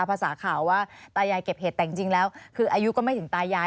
ภาษาข่าวว่าตายายเก็บเห็ดแต่จริงแล้วคืออายุก็ไม่ถึงตายาย